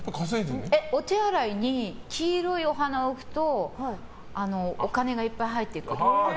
お手洗いに黄色いお花を置くとお金がいっぱい入ってくる。